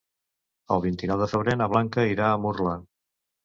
El vint-i-nou de febrer na Blanca irà a Murla.